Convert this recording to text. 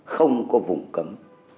không có vùng cấm